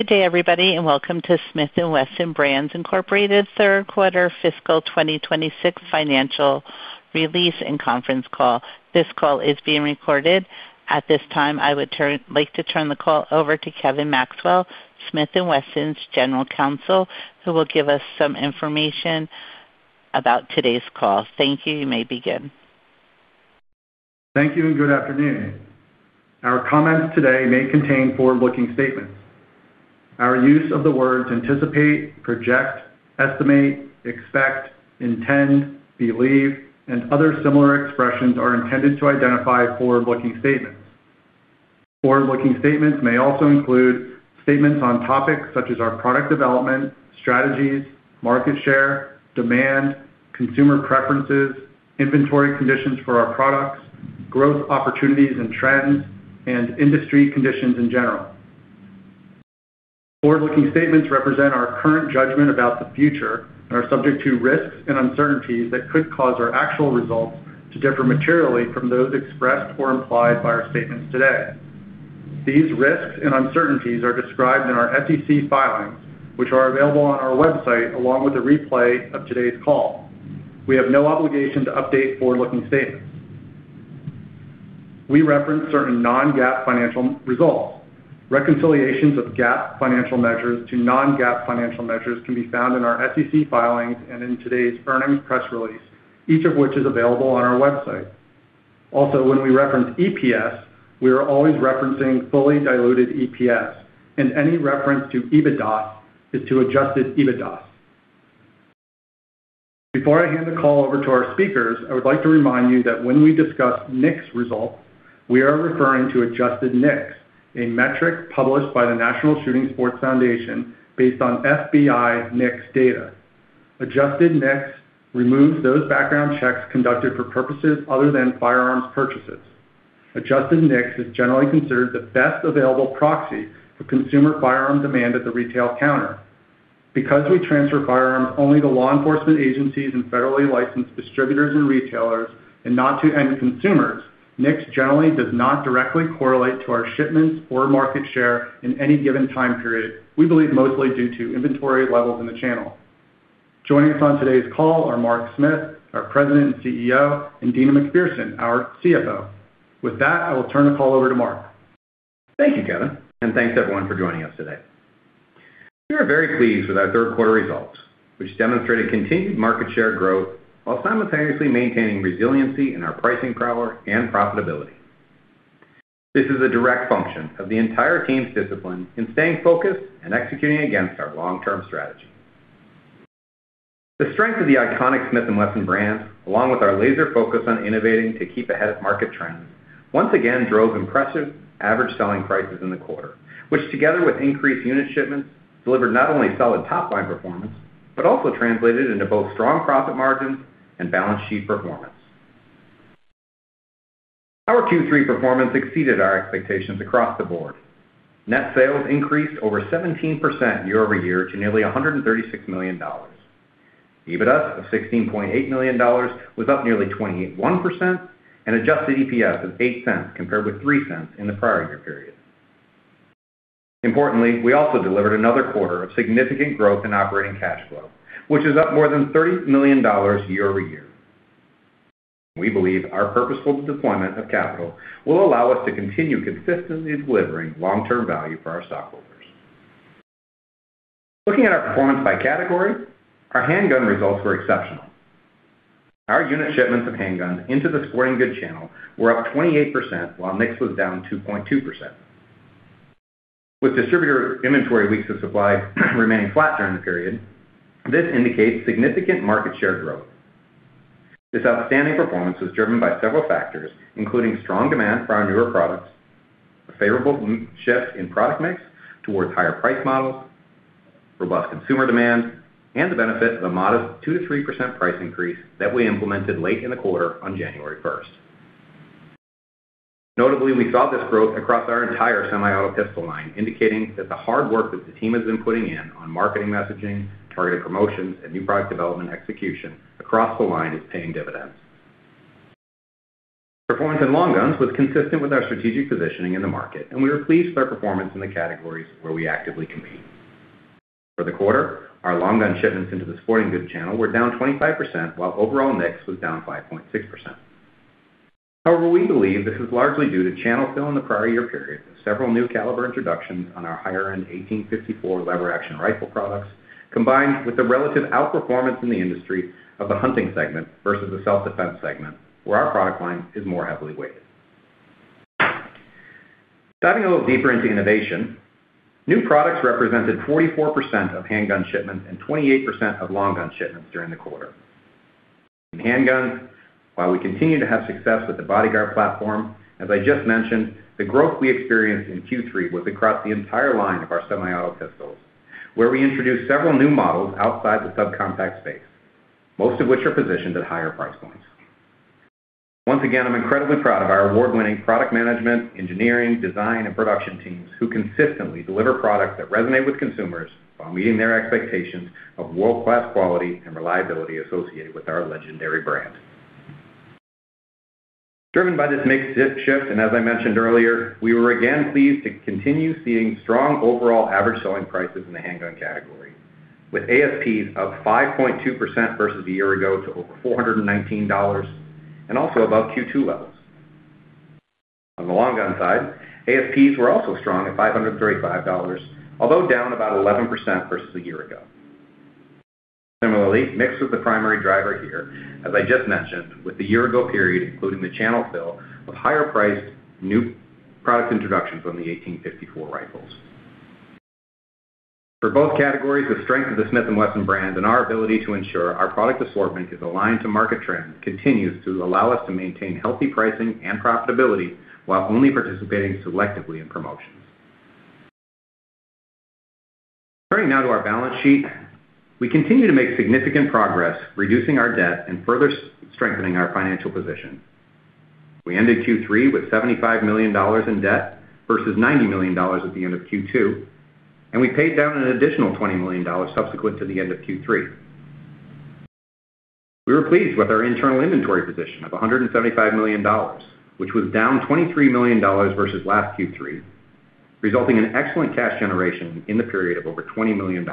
Good day, everybody, and welcome to Smith & Wesson Brands, Inc. third quarter fiscal 2026 financial release and conference call. This call is being recorded. At this time, I would like to turn the call over to Kevin Maxwell, Smith & Wesson's General Counsel, who will give us some information about today's call. Thank you. You may begin. Thank you and good afternoon. Our comments today may contain forward-looking statements. Our use of the words anticipate, project, estimate, expect, intend, believe, and other similar expressions are intended to identify forward-looking statements. Forward-looking statements may also include statements on topics such as our product development, strategies, market share, demand, consumer preferences, inventory conditions for our products, growth opportunities and trends, and industry conditions in general. Forward-looking statements represent our current judgment about the future and are subject to risks and uncertainties that could cause our actual results to differ materially from those expressed or implied by our statements today. These risks and uncertainties are described in our SEC filings, which are available on our website along with a replay of today's call. We have no obligation to update forward-looking statements. We reference certain non-GAAP financial results. Reconciliations of GAAP financial measures to non-GAAP financial measures can be found in our SEC filings and in today's earnings press release, each of which is available on our website. Also, when we reference EPS, we are always referencing fully diluted EPS, and any reference to EBITDA is to adjusted EBITDA. Before I hand the call over to our speakers, I would like to remind you that when we discuss NICS results, we are referring to adjusted NICS, a metric published by the National Shooting Sports Foundation based on FBI NICS data. Adjusted NICS removes those background checks conducted for purposes other than firearms purchases. Adjusted NICS is generally considered the best available proxy for consumer firearm demand at the retail counter. Because we transfer firearms only to law enforcement agencies and federally licensed distributors and retailers and not to end consumers, NICS generally does not directly correlate to our shipments or market share in any given time period, we believe mostly due to inventory levels in the channel. Joining us on today's call are Mark Smith, our President and CEO, and Deana McPherson, our CFO. With that, I will turn the call over to Mark. Thank you, Kevin. Thanks everyone for joining us today. We are very pleased with our third quarter results, which demonstrated continued market share growth while simultaneously maintaining resiliency in our pricing power and profitability. This is a direct function of the entire team's discipline in staying focused and executing against our long-term strategy. The strength of the iconic Smith & Wesson brand, along with our laser focus on innovating to keep ahead of market trends, once again drove impressive average selling prices in the quarter, which together with increased unit shipments, delivered not only solid top-line performance, but also translated into both strong profit margins and balance sheet performance. Our Q3 performance exceeded our expectations across the board. Net sales increased over 17% year-over-year to nearly $136 million. EBITDA of $16.8 million was up nearly 21%. Adjusted EPS of $0.08 compared with $0.03 in the prior year period. Importantly, we also delivered another quarter of significant growth in operating cash flow, which is up more than $30 million year-over-year. We believe our purposeful deployment of capital will allow us to continue consistently delivering long-term value for our stockholders. Looking at our performance by category, our handgun results were exceptional. Our unit shipments of handguns into the sporting goods channel were up 28%, while NICS was down 2.2%. With distributor inventory weeks of supply remaining flat during the period, this indicates significant market share growth. This outstanding performance was driven by several factors, including strong demand for our newer products, a favorable shift in product mix towards higher price models, robust consumer demand, and the benefit of a modest 2%-3% price increase that we implemented late in the quarter on January 1. Notably, we saw this growth across our entire semi-auto pistol line, indicating that the hard work that the team has been putting in on marketing messaging, targeted promotions, and new product development execution across the line is paying dividends. Performance in long guns was consistent with our strategic positioning in the market. We were pleased with our performance in the categories where we actively compete. For the quarter, our long gun shipments into the sporting goods channel were down 25%, while overall NICS was down 5.6%. We believe this is largely due to channel fill in the prior year period with several new caliber introductions on our higher-end Model 1854 lever-action rifle products, combined with the relative outperformance in the industry of the hunting segment versus the self-defense segment, where our product line is more heavily weighted. Diving a little deeper into innovation, new products represented 44% of handgun shipments and 28% of long gun shipments during the quarter. In handguns, while we continue to have success with the Bodyguard platform, as I just mentioned, the growth we experienced in Q3 was across the entire line of our semi-auto pistols, where we introduced several new models outside the subcompact space, most of which are positioned at higher price points. Once again, I'm incredibly proud of our award-winning product management, engineering, design, and production teams who consistently deliver products that resonate with consumers while meeting their expectations of world-class quality and reliability associated with our legendary brand. Driven by this mix shift, as I mentioned earlier, we were again pleased to continue seeing strong overall average selling prices in the handgun category, with ASPs of 5.2% versus a year ago to over $419 and also above Q2 levels. On the long gun side, ASPs were also strong at $535, although down about 11% versus a year ago. Similarly, mix was the primary driver here, as I just mentioned, with the year ago period, including the channel fill of higher-priced new product introductions on the Model 1854 rifles. For both categories, the strength of the Smith & Wesson brand and our ability to ensure our product assortment is aligned to market trends continues to allow us to maintain healthy pricing and profitability while only participating selectively in promotions. Turning now to our balance sheet. We continue to make significant progress reducing our debt and further strengthening our financial position. We ended Q3 with $75 million in debt versus $90 million at the end of Q2, and we paid down an additional $20 million subsequent to the end of Q3. We were pleased with our internal inventory position of $175 million, which was down $23 million versus last Q3, resulting in excellent cash generation in the period of over $20 million.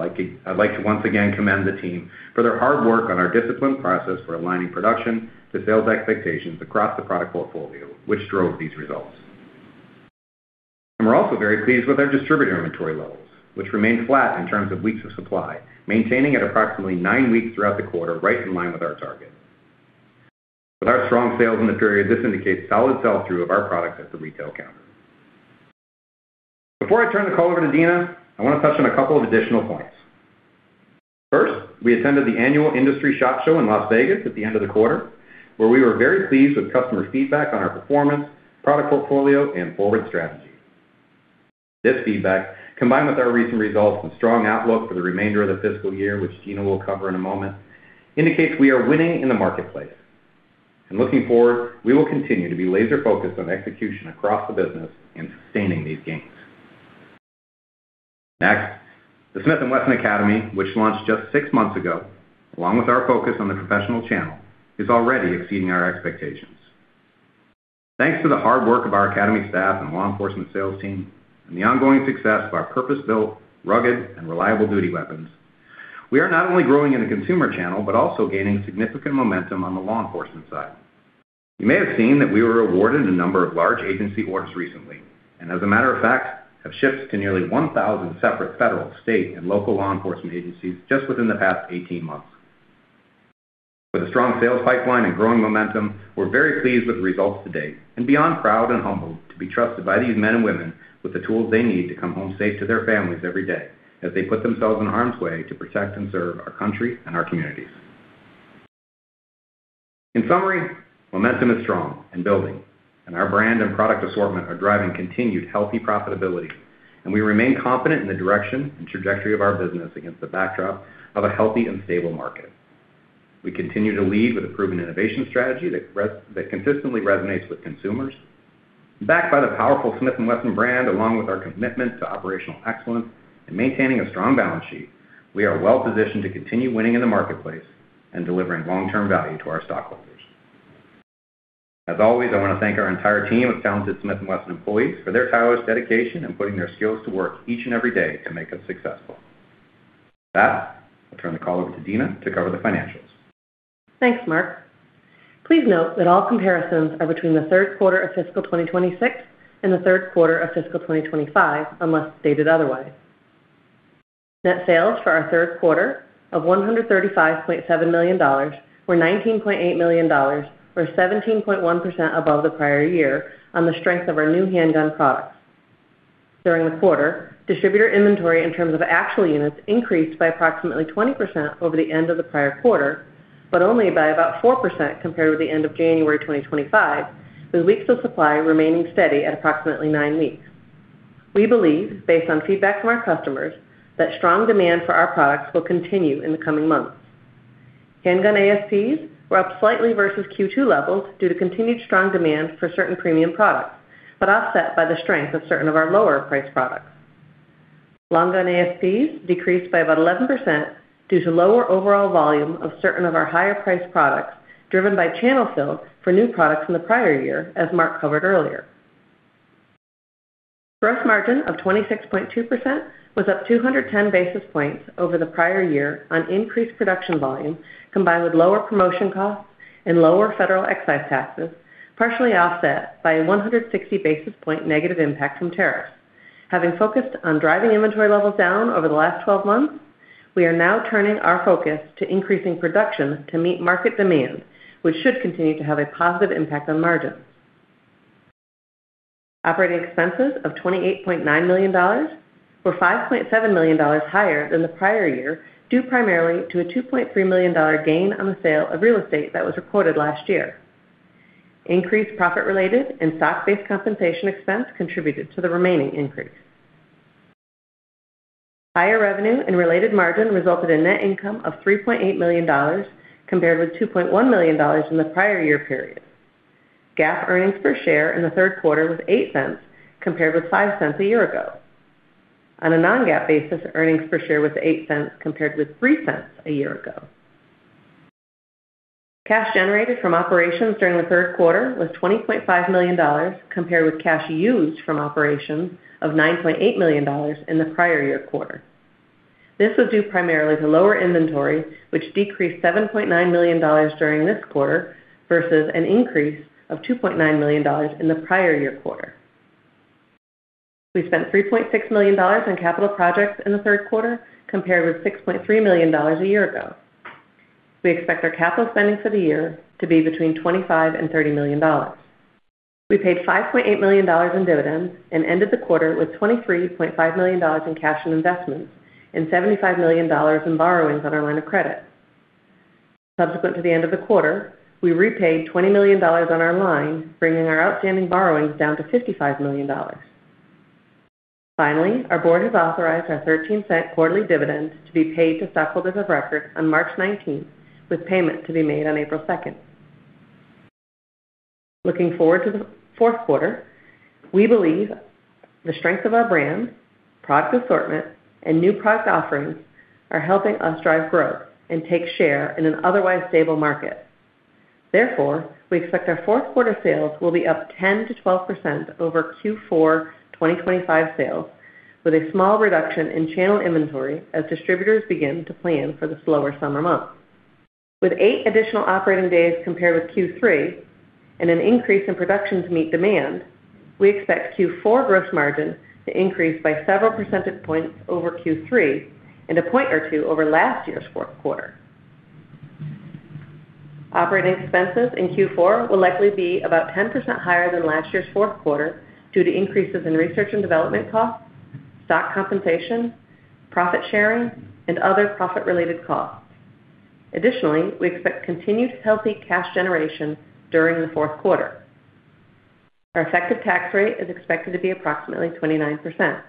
I'd like to once again commend the team for their hard work on our disciplined process for aligning production to sales expectations across the product portfolio, which drove these results. We're also very pleased with our distributor inventory levels, which remained flat in terms of weeks of supply, maintaining at approximately nine weeks throughout the quarter, right in line with our target. With our strong sales in the period, this indicates solid sell-through of our products at the retail counter. Before I turn the call over to Deana, I want to touch on a couple of additional points. First, I attended the annual industry SHOT Show in Las Vegas at the end of the quarter, where we were very pleased with customer feedback on our performance, product portfolio, and forward strategy. This feedback, combined with our recent results and strong outlook for the remainder of the fiscal year, which Deana will cover in a moment, indicates we are winning in the marketplace. Looking forward, we will continue to be laser-focused on execution across the business and sustaining these gains. Next, the Smith & Wesson Academy, which launched just six months ago, along with our focus on the professional channel, is already exceeding our expectations. Thanks to the hard work of our academy staff and law enforcement sales team and the ongoing success of our purpose-built, rugged, and reliable duty weapons, we are not only growing in the consumer channel, but also gaining significant momentum on the law enforcement side. You may have seen that we were awarded a number of large agency orders recently, and as a matter of fact, have shipped to nearly 1,000 separate federal, state, and local law enforcement agencies just within the past 18 months. With a strong sales pipeline and growing momentum, we're very pleased with the results to date and beyond proud and humbled to be trusted by these men and women with the tools they need to come home safe to their families every day as they put themselves in harm's way to protect and serve our country and our communities. In summary, momentum is strong and building, and our brand and product assortment are driving continued healthy profitability. We remain confident in the direction and trajectory of our business against the backdrop of a healthy and stable market. We continue to lead with a proven innovation strategy that consistently resonates with consumers. Backed by the powerful Smith & Wesson brand, along with our commitment to operational excellence and maintaining a strong balance sheet, we are well-positioned to continue winning in the marketplace and delivering long-term value to our stockholders. As always, I want to thank our entire team of talented Smith & Wesson employees for their tireless dedication and putting their skills to work each and every day to make us successful. With that, I'll turn the call over to Deana to cover the financials. Thanks, Mark. Please note that all comparisons are between the third quarter of fiscal 2026 and the third quarter of fiscal 2025, unless stated otherwise. Net sales for our third quarter of $135.7 million were $19.8 million or 17.1% above the prior year on the strength of our new handgun products. During the quarter, distributor inventory in terms of actual units increased by approximately 20% over the end of the prior quarter, but only by about 4% compared with the end of January 2025, with weeks of supply remaining steady at approximately nine weeks. We believe, based on feedback from our customers, that strong demand for our products will continue in the coming months. Handgun ASPs were up slightly versus Q2 levels due to continued strong demand for certain premium products, offset by the strength of certain of our lower-priced products. Long gun ASPs decreased by about 11% due to lower overall volume of certain of our higher-priced products, driven by channel fill for new products in the prior year, as Mark covered earlier. Gross margin of 26.2% was up 210 basis points over the prior year on increased production volume, combined with lower promotion costs and lower Federal Excise Tax, partially offset by a 160 basis point negative impact from tariffs. Having focused on driving inventory levels down over the last 12 months, we are now turning our focus to increasing production to meet market demand, which should continue to have a positive impact on margins. Operating expenses of $28.9 million were $5.7 million higher than the prior year, due primarily to a $2.3 million gain on the sale of real estate that was recorded last year. Increased profit-related and stock-based compensation expense contributed to the remaining increase. Higher revenue and related margin resulted in net income of $3.8 million, compared with $2.1 million in the prior year period. GAAP earnings per share in the third quarter was $0.08, compared with $0.05 a year ago. On a non-GAAP basis, earnings per share was $0.08 compared to $0.03 a year ago. Cash generated from operations during the third quarter was $20.5 million, compared with cash used from operations of $9.8 million in the prior year quarter. This was due primarily to lower inventory, which decreased $7.9 million during this quarter versus an increase of $2.9 million in the prior year quarter. We spent $3.6 million in capital projects in the third quarter, compared with $6.3 million a year ago. We expect our capital spending for the year to be between $25 million and $30 million. We paid $5.8 million in dividends and ended the quarter with $23.5 million in cash and investments and $75 million in borrowings on our line of credit. Subsequent to the end of the quarter, we repaid $20 million on our line, bringing our outstanding borrowings down to $55 million. Our board has authorized our $0.13 quarterly dividends to be paid to stockholders of record on March 19, with payment to be made on April 2. Looking forward to the fourth quarter, we believe the strength of our brand, product assortment, and new product offerings are helping us drive growth and take share in an otherwise stable market. We expect our fourth quarter sales will be up 10%–12% over Q4 2025 sales, with a small reduction in channel inventory as distributors begin to plan for the slower summer months. With 8 additional operating days compared with Q3 and an increase in production to meet demand, we expect Q4 gross margin to increase by several percentage points over Q3 and a point or two over last year's fourth quarter. Operating expenses in Q4 will likely be about 10% higher than last year's fourth quarter due to increases in research and development costs, stock compensation, profit sharing, and other profit-related costs. Additionally, we expect continued healthy cash generation during the fourth quarter. Our effective tax rate is expected to be approximately 29%.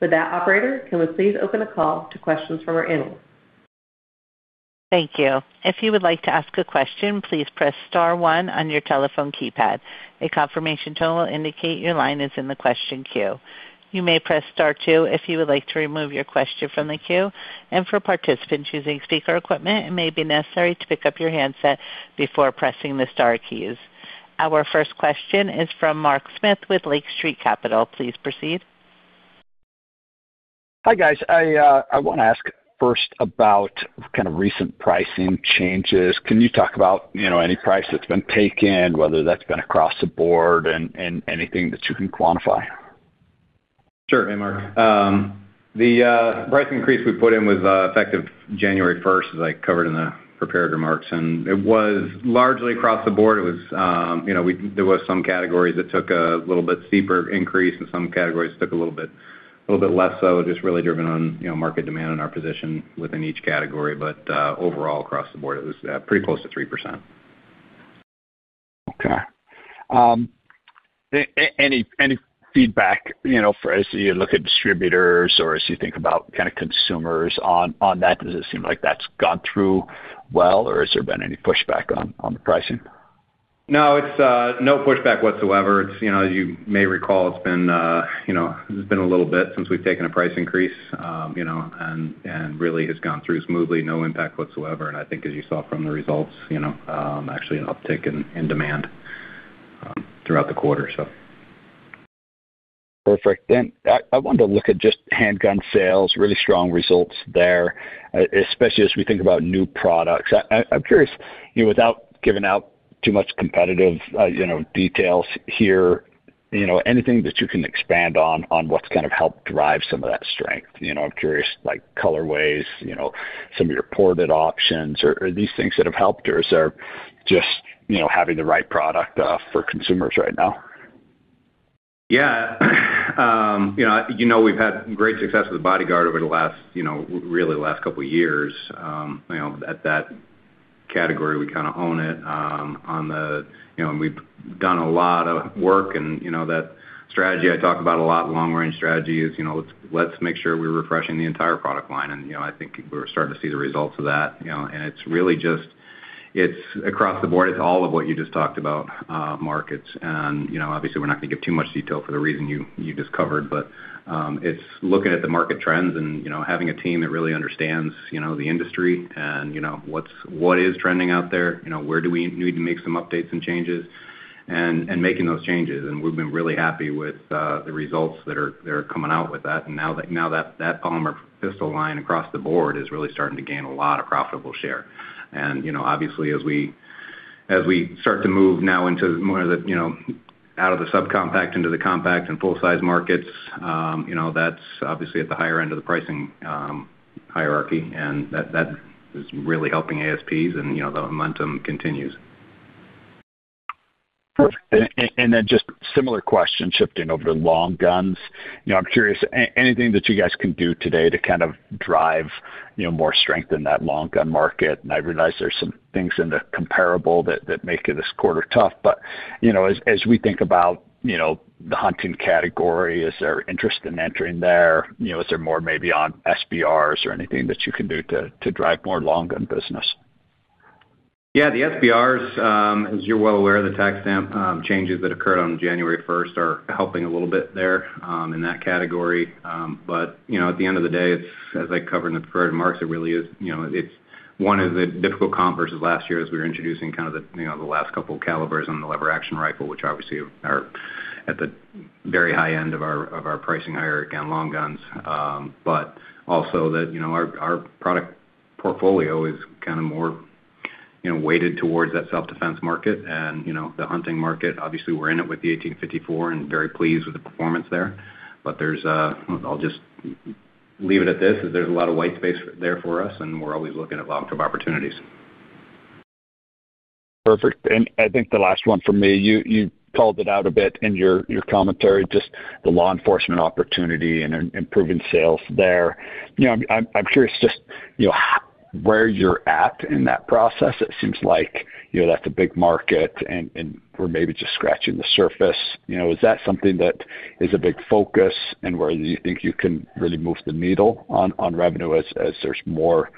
With that, operator, can we please open the call to questions from our analysts? Thank you. If you would like to ask a question, please press star one on your telephone keypad. A confirmation tone will indicate your line is in the question queue. You may press star two if you would like to remove your question from the queue. For participants using speaker equipment, it may be necessary to pick up your handset before pressing the star keys. Our first question is from Mark Smith with Lake Street Capital. Please proceed. Hi, guys. I want to ask first about kind of recent pricing changes. Can you talk about, you know, any price that's been taken, whether that's been across the board and anything that you can quantify? Sure. Hey, Mark. The price increase we put in was effective January 1, as I covered in the prepared remarks, it was largely across the board. It was, you know, there was some categories that took a little bit steeper increase and some categories took a little bit less so, just really driven on, you know, market demand and our position within each category. Overall, across the board, it was pretty close to 3%. Any feedback, you know, for as you look at distributors or as you think about kind of consumers on that? Does it seem like that's gone through well, or has there been any pushback on the pricing? No, it's, no pushback whatsoever. It's, you know, as you may recall, it's been, you know, it's been a little bit since we've taken a price increase, you know, and really has gone through smoothly. No impact whatsoever. I think as you saw from the results, you know, actually an uptick in demand, throughout the quarter, so. I wanted to look at just handgun sales, really strong results there, especially as we think about new products. I'm curious, you know, without giving out too much competitive, you know, details here, you know, anything that you can expand on what's kind of helped drive some of that strength? You know, I'm curious, like, colorways, you know, some of your ported options or, are these things that have helped, or is there just, you know, having the right product for consumers right now? Yeah. You know, you know we've had great success with the Bodyguard over the last, you know, really the last couple of years. You know, at that category, we kind of own it. You know, we've done a lot of work and, you know, that strategy I talk about a lot, long-range strategy is, you know, let's make sure we're refreshing the entire product line. You know, I think we're starting to see the results of that. You know, and it's really just, it's across the board. It's all of what you just talked about, markets. You know, obviously, we're not gonna give too much detail for the reason you just covered. It's looking at the market trends and, you know, having a team that really understands, you know, the industry and, you know, what is trending out there. You know, where do we need to make some updates and changes? Making those changes. We've been really happy with the results that are coming out with that. Now that polymer pistol line across the board is really starting to gain a lot of profitable share. You know, obviously, as we start to move now into more of the, you know, out of the subcompact into the compact and full-size markets, you know, that's obviously at the higher end of the pricing hierarchy, and that is really helping ASPs and, you know, the momentum continues. Perfect. Then just similar question shifting over to long guns. You know, I'm curious, anything that you guys can do today to kind of drive, you know, more strength in that long gun market? I realize there's some things in the comparable that make this quarter tough, but, you know, as we think about, you know, the hunting category, is there interest in entering there? You know, is there more maybe on SBRs or anything that you can do to drive more long gun business? The SBRs, as you're well aware, the tax stamp changes that occurred on January 1st are helping a little bit there in that category. At the end of the day, it's, as I covered in the prepared remarks, it really is, you know, it's one of the difficult comps versus last year as we were introducing kind of the, you know, the last couple calibers on the lever action rifle, which obviously are at the very high end of our, of our pricing hierarchy on long guns. Our product portfolio is kind of more, you know, weighted towards that self-defense market and, you know, the hunting market. Obviously, we're in it with the Model 1854 and very pleased with the performance there. There's, I'll just leave it at this, is there's a lot of white space there for us, and we're always looking at long-term opportunities. Perfect. I think the last one for me, you called it out a bit in your commentary, just the law enforcement opportunity and improving sales there. You know, I'm curious just, you know, where you're at in that process. It seems like, you know, that's a big market and we're maybe just scratching the surface. You know, is that something that is a big focus, and where you think you can really move the needle on revenue as there's more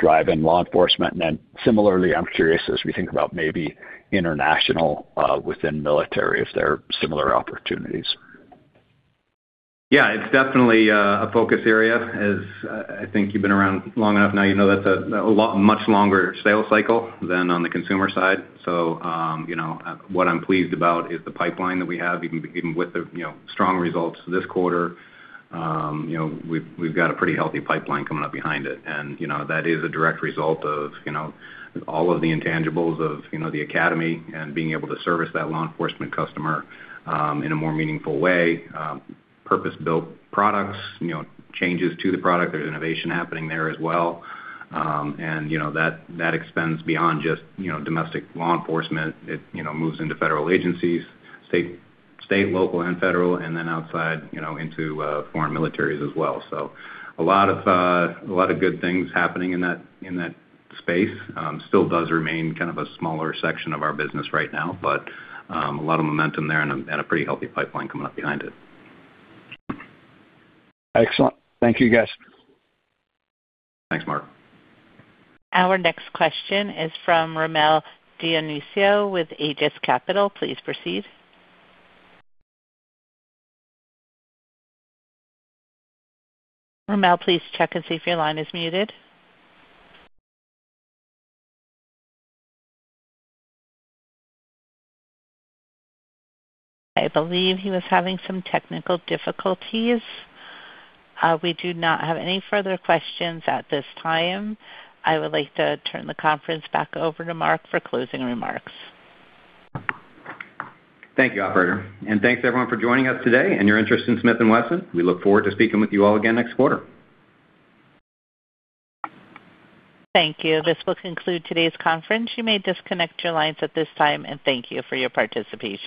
drive in law enforcement? Then similarly, I'm curious as we think about maybe international within military, if there are similar opportunities. Yeah, it's definitely a focus area. As I think you've been around long enough now you know that's a much longer sales cycle than on the consumer side. What I'm pleased about is the pipeline that we have, even with the, you know, strong results this quarter. You know, we've got a pretty healthy pipeline coming up behind it. You know, that is a direct result of, you know, all of the intangibles of, you know, the Academy and being able to service that law enforcement customer in a more meaningful way. Purpose-built products, you know, changes to the product. There's innovation happening there as well. You know, that extends beyond just, you know, domestic law enforcement. It, you know, moves into federal agencies, state, local, and federal, and then outside, you know, into foreign militaries as well. A lot of good things happening in that space. Still does remain kind of a smaller section of our business right now, but a lot of momentum there and a pretty healthy pipeline coming up behind it. Excellent. Thank you, guys. Thanks, Mark. Our next question is from Rommel Dionisio with Aegis Capital. Please proceed. Rommel, please check and see if your line is muted. I believe he was having some technical difficulties. We do not have any further questions at this time. I would like to turn the conference back over to Mark for closing remarks. Thank you, operator, and thanks, everyone, for joining us today and your interest in Smith & Wesson. We look forward to speaking with you all again next quarter. Thank you. This will conclude today's conference. You may disconnect your lines at this time. Thank you for your participation.